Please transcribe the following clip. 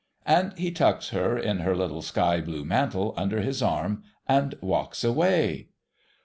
And he tucks her, in her little sky blue mantle, under his arm, and walks away.